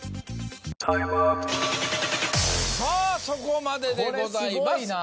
そこまででございます。